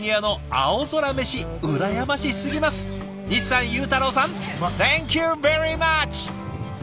西さん裕太郎さんセンキューベリーマッチ！